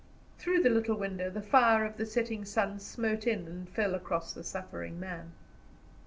Through the little window the fire of the setting sun smote in and fell across the suffering man.